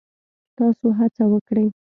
تاسو هڅه وکړئ